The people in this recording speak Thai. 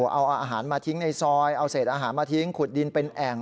เอาอาหารมาทิ้งในซอยเอาเศษอาหารมาทิ้งขุดดินเป็นแอ่ง